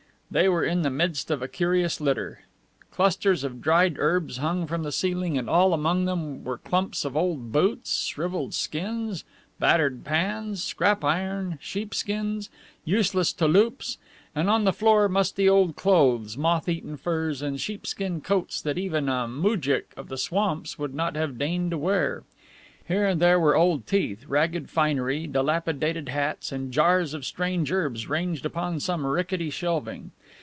They were in the midst of a curious litter. Clusters of dried herbs hung from the ceiling, and all among them were clumps of old boots, shriveled skins, battered pans, scrap iron, sheep skins, useless touloupes, and on the floor musty old clothes, moth eaten furs, and sheep skin coats that even a moujik of the swamps would not have deigned to wear. Here and there were old teeth, ragged finery, dilapidated hats, and jars of strange herbs ranged upon some rickety shelving.